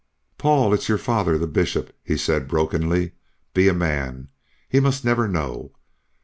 "Paul, it's your father, the Bishop," he said, brokenly. "Be a man. He must never know."